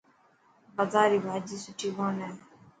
بازار ري ڀاڄي سٺي ڪون هي.